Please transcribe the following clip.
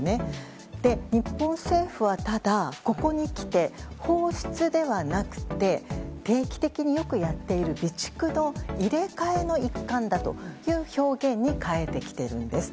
ただ、日本政府はここにきて放出ではなくて定期的によくやっている備蓄の入れ替えの一環だという表現に変えてきているんです。